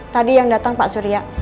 tadi yang datang pak surya